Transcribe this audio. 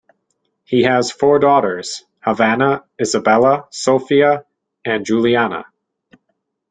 He has four daughters, Havana, Isabella, Sophia and Juliana.